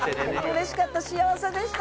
うれしかった幸せでした！